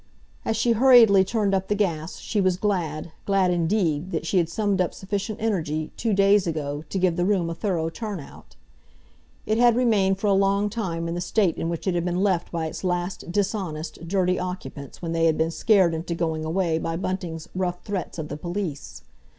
As she hurriedly turned up the gas she was glad, glad indeed, that she had summoned up sufficient energy, two days ago, to give the room a thorough turn out. It had remained for a long time in the state in which it had been left by its last dishonest, dirty occupants when they had been scared into going away by Bunting's rough threats of the police.